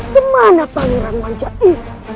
kemana pangeran manja ini